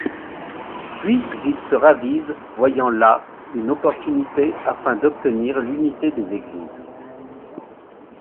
Puis il se ravise voyant là une opportunité afin d'obtenir l'unité des Églises.